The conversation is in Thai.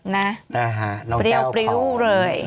นะฮะเบียวเลย